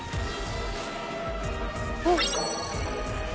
・あっ！